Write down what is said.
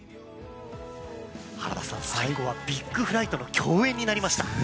最後はビッグフライトの競演になりました。